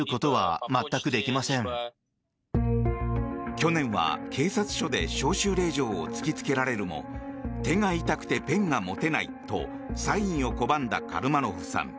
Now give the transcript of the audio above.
去年は警察署で招集令状を突きつけられるも手が痛くてペンが持てないとサインを拒んだカルマノフさん。